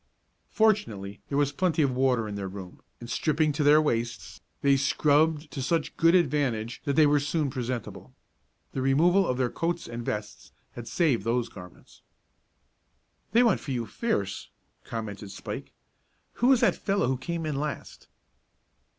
Fortunately there was plenty of water in their room, and, stripping to their waists they scrubbed to such good advantage that they were soon presentable. The removal of their coats and vests had saved those garments. "They went for you fierce," commented Spike. "Who was that fellow who came in last?"